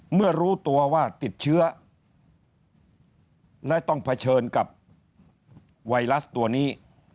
เมื่อรู้ตัวว่าติดเชื้อและต้องเผชิญกับไวรัสตัวนี้